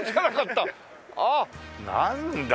ああなんだ。